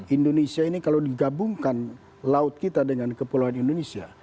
indonesia ini kalau digabungkan laut kita dengan kepulauan indonesia